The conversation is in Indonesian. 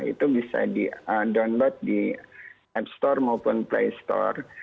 itu bisa di download di app store maupun play store